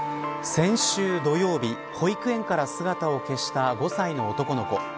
先週土曜日保育園から姿を消した５歳の男の子。